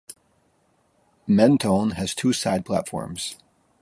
Mentone has two side platforms.